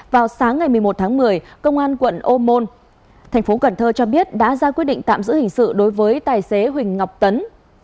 vào sáng ngày một mươi một tháng một mươi công an quận ô môn thành phố cần thơ cho biết đã ra quyết định tạm giữ hình sự đối với tài xế huỳnh ngọc tấn